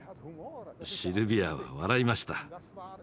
シルビアは笑いました。